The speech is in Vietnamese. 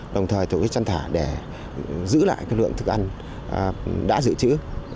đồng thời tổ chức chăn thả để giữ lại lượng thức ăn đã dự trữ